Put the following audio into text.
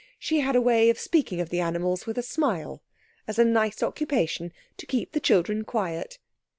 She had a way of speaking of the animals with a smile, as a nice occupation to keep the children quiet.